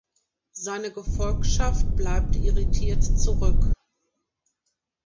Seine Gefolgschaft bleibt irritiert zurück.